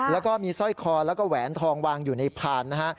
แล้วก็มีสร้อยคอแล้วก็แหวนทองวางอยู่ในพานนะฮะ